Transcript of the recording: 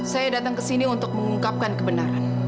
saya datang kesini untuk mengungkapkan kebenaran